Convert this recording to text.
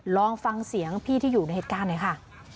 ลองฟังเสียงพี่ที่อยู่ในเหตุการณ์หน่อยค่ะ